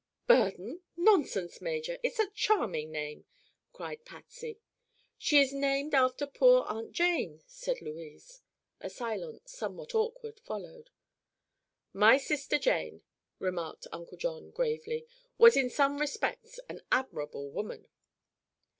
"Burden? Nonsense, Major! It's a charming name," cried Patsy. "She is named after poor Aunt Jane," said Louise. A silence somewhat awkward followed. "My sister Jane," remarked Uncle John gravely, "was in some respects an admirable woman."